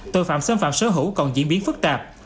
tội phạm xâm phạm sở hữu còn diễn biến phức tạp